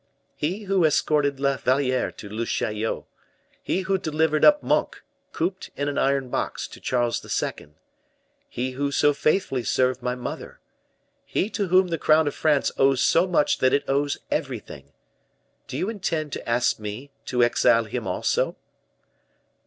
'" "He who escorted La Valliere to Le Chaillot; he who delivered up Monk, cooped in an iron box, to Charles II.; he who so faithfully served my mother; he to whom the crown of France owes so much that it owes everything. Do you intend to ask me to exile him also?"